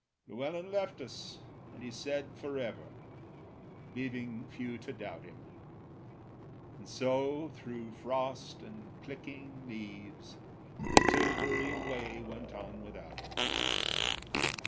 Llewellyn left us, and he said Forever, leaving few to doubt him; And so, through frost and clicking leaves, The Tilbury way went on without him.